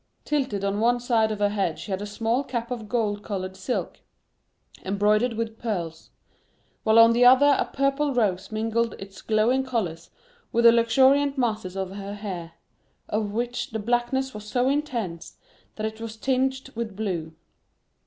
Tilted on one side of her head she had a small cap of gold colored silk, embroidered with pearls; while on the other a purple rose mingled its glowing colors with the luxuriant masses of her hair, of which the blackness was so intense that it was tinged with blue.